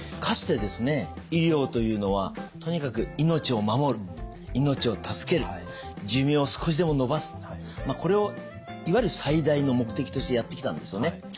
かつてですね医療というのはとにかく命を守る命を助ける寿命を少しでも延ばすこれをいわゆる最大の目的としてやってきたんですよね。